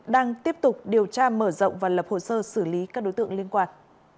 đang tiếp tục điều tra mở rộng và lập hồ sơ xử lý các đối tượng liên quan